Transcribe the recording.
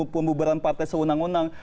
pembubaran partai sewenang wenang